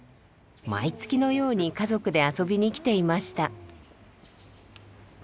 毎月のように家族で遊びに来ていました。